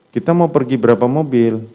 kita mau pergi berapa mobil